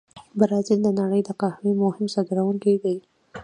برازیل د نړۍ د قهوې مهم صادرونکي دي.